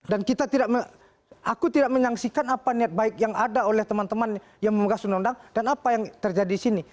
dan kita tidak aku tidak menyaksikan apa niat baik yang ada oleh teman teman yang memegang sunodang dan apa yang terjadi di sini